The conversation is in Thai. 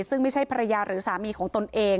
ซึ่งไม่ใช่ภรรยาหรือสามีของตนเอง